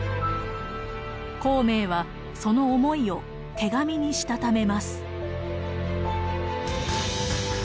孔明はその思いを手紙にしたためます。